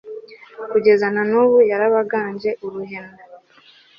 kugeza na n'ubu yarabaganje uruhenu